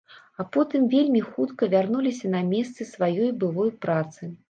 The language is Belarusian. А потым вельмі хутка вярнуліся на месцы сваёй былой працы.